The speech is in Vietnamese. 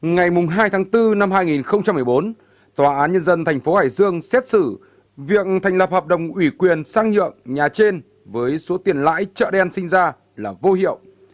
ngày hai tháng bốn năm hai nghìn một mươi bốn tòa án nhân dân tp hải dương xét xử việc thành lập hợp đồng ủy quyền sang nhượng nhà trên với số tiền lãi chợ đen sinh ra là vô hiệu